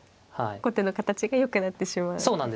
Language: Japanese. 後手の形が良くなってしまう。